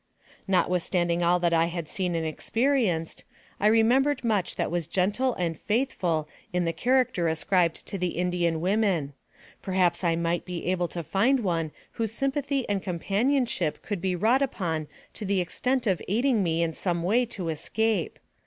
Notwithstanding all I had seen and experienced, I remembered much that was gentle and faithful in the character ascribed to the Indian women. Perhaps I might be able to find one whose sympathy and com panionship could be wrought upon to the extent of aiding me in some way to escape.